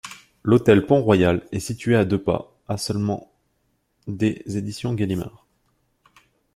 L'Hôtel Pont Royal est situé à deux pas, à seulement des Éditions Gallimard.